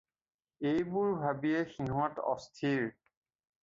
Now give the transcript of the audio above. এইবোৰ ভাবিয়েই সিহঁত অস্থিৰ।